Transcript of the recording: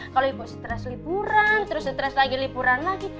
kalau ibu stress liburan terus stress lagi liburan lagi